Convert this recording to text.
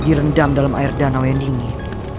direndam dalam air danau yang dingin